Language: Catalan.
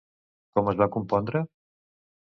Com es va compondre?